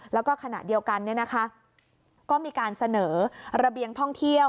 แล้วก็ขณะเดียวกันก็มีการเสนอระเบียงท่องเที่ยว